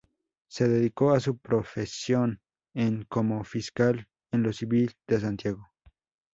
Se dedicó a su profesión en como fiscal en lo civil, de Santiago.